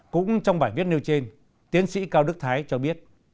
cũng trong bài viết nêu trên tiến sĩ cao đức thái cho biết